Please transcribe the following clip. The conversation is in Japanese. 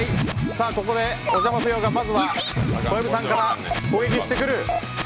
ここで、おじゃまぷよがまずは小籔さんから攻撃してくる。